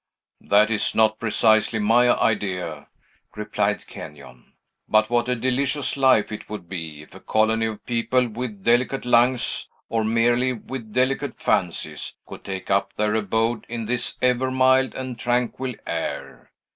"That is not precisely my idea," replied Kenyon. "But what a delicious life it would be, if a colony of people with delicate lungs or merely with delicate fancies could take up their abode in this ever mild and tranquil air.